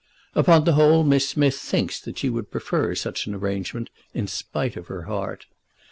Upon the whole Miss Smith thinks that she would prefer such an arrangement, in spite of her heart.